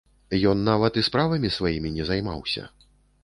Ён нават і справамі сваімі не займаўся.